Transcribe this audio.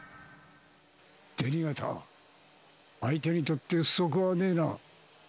銭形相手にとって不足はねえな。